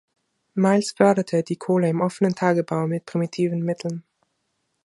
Miles förderte die Kohle im offenen Tagebau mit primitiven Mitteln.